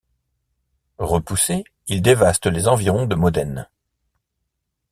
Repoussé, il dévaste les environs de Modène.